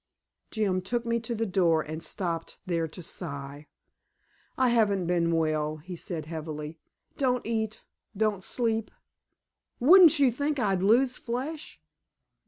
Jim took me to the door and stopped there to sigh. "I haven't been well," he said heavily. "Don't eat, don't sleep. Wouldn't you think I'd lose flesh?